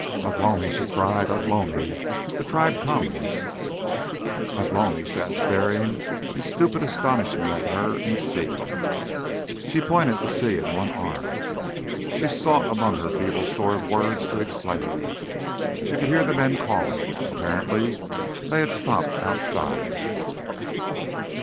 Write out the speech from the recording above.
"Ugh lomi!" she cried, "Ugh lomi, the tribe comes!" Ugh lomi sat staring in stupid astonishment at her and Si. She pointed with Si in one arm. She sought among her feeble store of words to explain. She could hear the men calling. Apparently they had stopped outside.